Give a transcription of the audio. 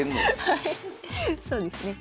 はいそうですね。